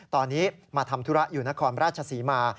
ตอนนี้มาทำธุระอยู่นครราชศรีมา